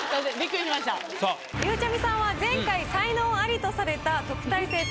ゆうちゃみさんは前回才能アリとされた特待生候補です。